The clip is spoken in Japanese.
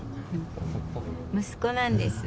息子なんです。